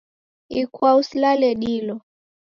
Ikwau silale dilo.